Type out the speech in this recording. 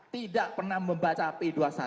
tidak pernah membaca p dua puluh satu